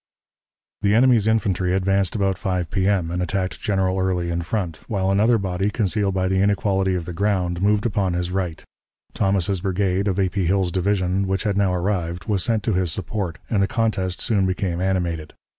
The enemy's infantry advanced about 5 P.M., and attacked General Early in front, while another body, concealed by the inequality of the ground, moved upon his right. Thomas's brigade, of A. P. Hill's division, which had now arrived, was sent to his support, and the contest soon became animated.